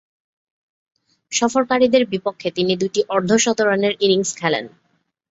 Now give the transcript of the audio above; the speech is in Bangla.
সফরকারীদের বিপক্ষে তিনি দুইটি অর্ধ-শতরানের ইনিংস খেলেন।